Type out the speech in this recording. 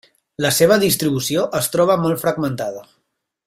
La seva distribució es troba molt fragmentada.